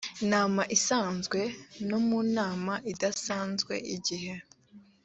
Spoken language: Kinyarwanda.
nama isanzwe no mu nama idasanzwe igihe